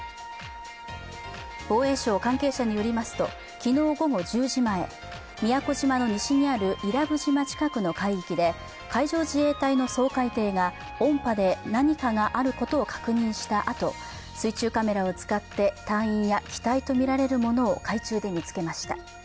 防衛省関係者によりますと、昨日午後１０時前、宮古島の西にある伊良部島近くの海域で海上自衛隊の掃海艇が音波で何かがあることを確認したあと水中カメラを使って隊員や機体とみられるものを海中で見つけました。